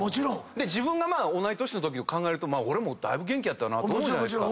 自分が同じ年のとき考えると俺もだいぶ元気やったなと思うじゃない。